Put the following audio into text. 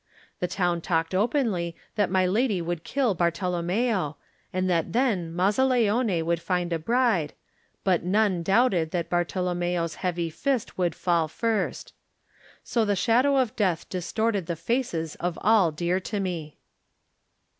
The town talked openly that my lady would kill Bartolom meo and that then Mazzaleone would find a bride, but none doubted that Bartolom meo's heavy fist would fall first. Sq the shadow of death distorted the faces of all dear to me.